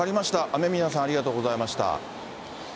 雨宮さん、ありがとうございました。